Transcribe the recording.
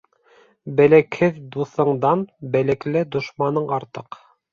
Белекһеҙ дуҫыңдан белекле дошманың артыҡ.